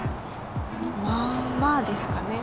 まあまあですかね。